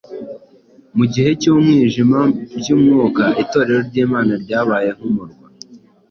Mu gihe cy’umwijima mu by’Umwuka, Itorero ry’Imana ryabaye nk’umurwa